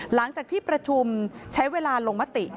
หลังจากที่ประชุมใช้เวลาลงมติ